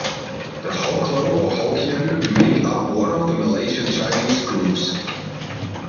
The Hoklo or Hokkien make up one of the Malaysian Chinese groups.